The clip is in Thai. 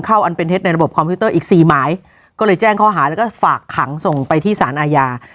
อันเป็นเท็จในระบบคอมพิวเตอร์อีกสี่หมายก็เลยแจ้งข้อหาแล้วก็ฝากขังส่งไปที่สารอาญา